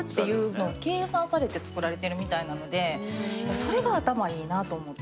それが頭いいなと思って。